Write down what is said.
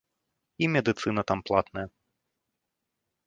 І медыцына там платная.